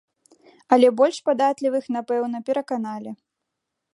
Але больш падатлівых, напэўна, пераканалі.